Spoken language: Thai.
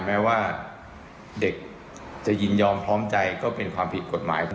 แม้ว่าเด็กจะยินยอมพร้อมใจก็เป็นความผิดกฎหมาย